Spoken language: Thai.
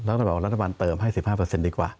ต้องบอกว่ารัฐบาลเติมให้๑๕ดีกว่า